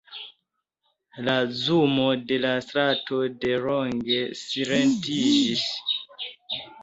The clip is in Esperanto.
La zumo de la strato delonge silentiĝis.